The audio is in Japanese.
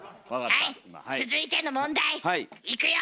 はい続いての問題いくよ。